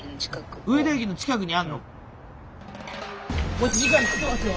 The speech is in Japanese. もう１時間切ってますよ。